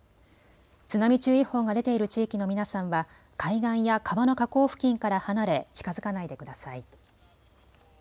津波注意報が出ている地域の皆さんは海岸や川の河口付近から離れ、近づかないでください。